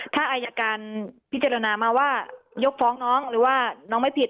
ถ้าอายการพิจารณามาว่ายกฟ้องน้องหรือว่าน้องไม่ผิด